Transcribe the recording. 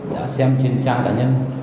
đã xem trên trang cá nhân